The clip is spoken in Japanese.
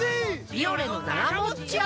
「ビオレ」のながもっち泡！